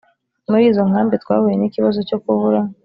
Muri izo nkambi twahuye n ikibazo cyo kubura